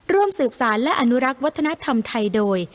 ร่วมสืบสารและอนุรักษ์วัฒนธรรมไทยโดย